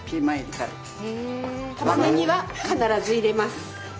たまねぎは必ず入れます。